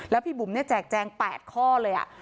แล้วพี่บุ๋มเนี่ยแจกแจง๘ข้อเลยอ่ะ